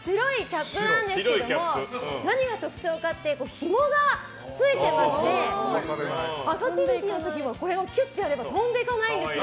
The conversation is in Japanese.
白いキャップなんですけども何が特徴かってひもがついてまして風が強い時もこれをきゅってやれば飛んでいかないんです。